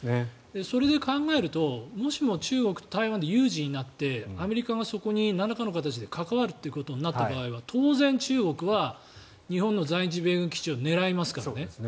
それで考えるともしも中国と台湾で有事になってアメリカがそこになんらかの形で関わるということになった場合は当然、中国は日本の在日米軍基地を狙いますからね。